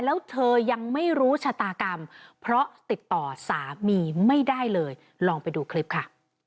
แล้วเธอยังไม่รู้ชะตากรรมเพราะติดต่อสามีไม่ได้เลยลองไปดูคลิปค่ะ